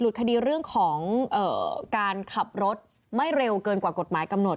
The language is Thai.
คดีเรื่องของการขับรถไม่เร็วเกินกว่ากฎหมายกำหนด